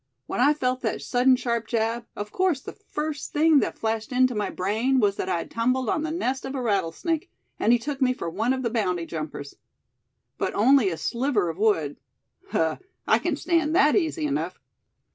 When I felt that sudden sharp jab, of course the first thing that flashed into my brain was that I'd tumbled on the nest of a rattlesnake, and he took me for one of the bounty jumpers. But only a sliver of wood huh, I can stand that easy enough."